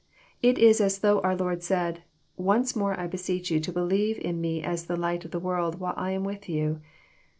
It is as though our Lord said, " Once more I beseech you to believe in Me as the Light of the world, while I am with you."